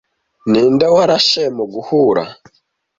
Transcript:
Ninde warashe mu guhura